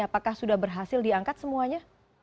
apakah sudah berhasil diangkat semuanya